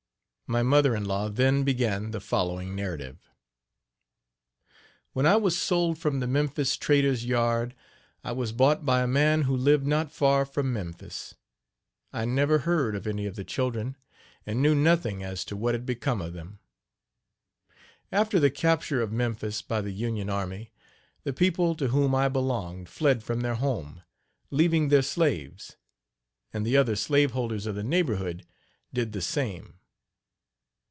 My mother in law then began the following narrative: "When I was sold from the Memphis trader's yard I was bought by a man who lived not far from Memphis. I never heard of any of the children, and knew nothing as to what had become of them. After the capture of Memphis by the Union army, the people to whom I belonged fled from their home, leaving their slaves; and the other slaveholders of the neighborhood did the same.